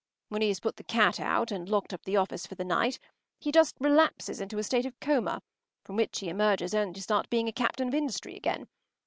When he has put the cat out and locked up the office for the night, he just relapses into a state of coma from which he emerges only to start being a captain of industry again.